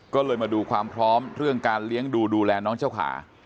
ก็เลยมาดูความพร้อมเรื่องการเลี้ยงดูดูแลน้องเจ้าขา